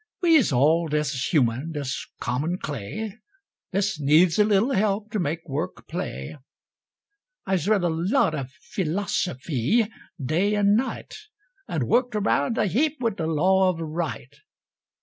We's all des human, des common clay, Des needs a little help to make work play. I'se read a lot of philosophy day an' night, An' worked around a heap wid de law of right.